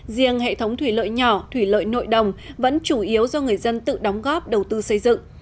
riêng hệ thống thủy lợi nhỏ thủy lợi nội đồng vẫn chủ yếu do người dân tự đóng góp đầu tư xây dựng